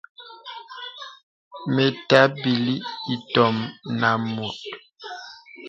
Mə tàbìlī itōm nə mùt.